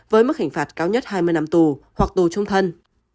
với mức hình phạt cao nhất hai mươi năm tù hoặc tù trung thân